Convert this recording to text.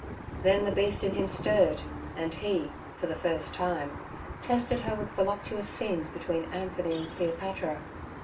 Then the beast in him stirred, and he for, the first time, tested her with voluptuous scenes between Anthony and Cleopatra.